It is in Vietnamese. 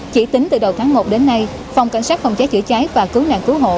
chỉ tính từ đầu tháng một đến nay phòng cảnh sát phòng cháy chữa cháy và cứu nạn cứu hộ